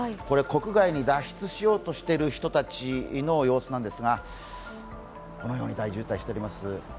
国外に脱出しようとしている人たちの様子なんですが、このように大渋滞しています